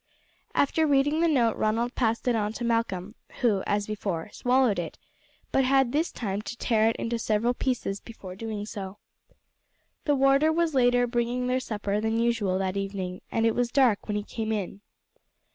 After reading the note Ronald passed it on to Malcolm, who, as before, swallowed it, but had this time to tear it into several pieces before doing so. The warder was later bringing their supper than usual that evening, and it was dark when he came in.